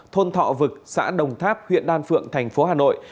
thôn thọ vực xã đồng tháp huyện đan phượng thành phố hà nội